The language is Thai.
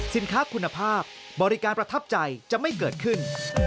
สินค้าคุณภาพบริการประทับใจจะไม่เกิดขึ้น